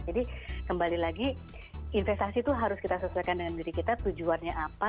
jadi kembali lagi investasi itu harus kita sesuaikan dengan diri kita tujuannya apa